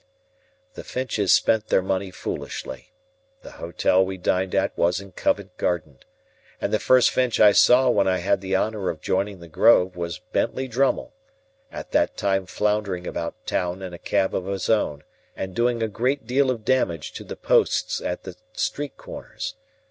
The Finches spent their money foolishly (the Hotel we dined at was in Covent Garden), and the first Finch I saw when I had the honour of joining the Grove was Bentley Drummle, at that time floundering about town in a cab of his own, and doing a great deal of damage to the posts at the street corners.